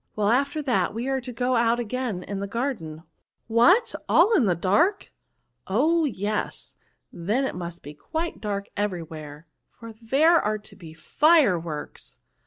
Well, after that we are to go out again in the garden.'* " What! aU in the dark?*' " Oh ! yes, then it must be quite dark every where, for there are to be fireworks."